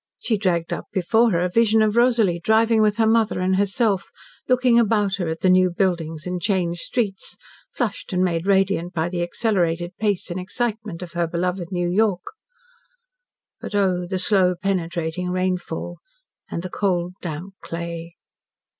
She dragged up before her a vision of Rosalie, driving with her mother and herself, looking about her at the new buildings and changed streets, flushed and made radiant by the accelerated pace and excitement of her beloved New York. But, oh, the slow, penetrating rainfall, and the cold damp clay!